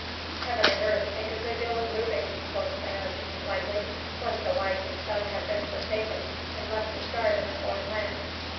"Heaven and earth take a good deal of moving," quoth Diogenes lightly, "once a wife and son have been forsaken and left to starve in a foreign land.